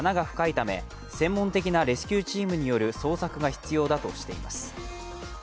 ため専門的なレスキューチームによる捜索が必要だとしています。